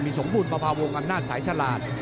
ขอบคุณประพาทวงศ์อำนาจสายฉลาด